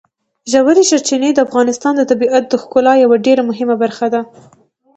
ژورې سرچینې د افغانستان د طبیعت د ښکلا یوه ډېره مهمه برخه ده.